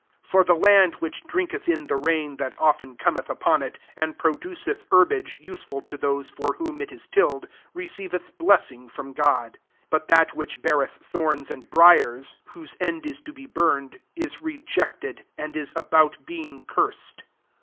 T For the land which drink ^th in the rain that often com* th upon it, and produceth herb ge useful to those for whom it 5 tilled, receiveth blessing from Itod: 8 but that which beareth horns and briars, whose end ia o be burned, ia rejected, and is hont being cursed.